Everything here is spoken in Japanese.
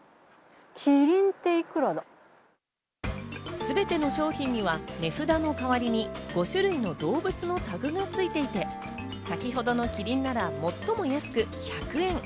すべての商品には値札の代わりに５種類の動物のタグがついていて、先ほどのキリンなら最も安く１００円。